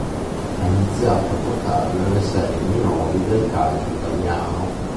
Ha iniziato a giocare nelle serie minori del calcio italiano.